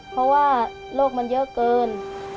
เพราะว่าโรคมันเยอะเกิน